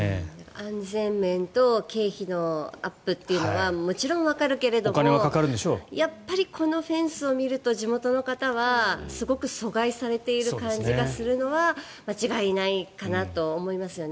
安全面と経費のアップというのはもちろんわかるけれどもやっぱりこのフェンスを見ると地元の方はすごく疎外されている感じがするのは間違いないかなと思いますよね。